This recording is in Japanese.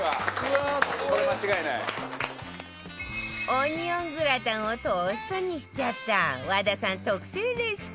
オニオングラタンをトーストにしちゃった和田さん特製レシピ